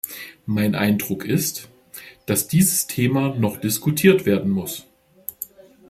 Mein Eindruck ist, dass dieses Thema noch diskutiert werden muss.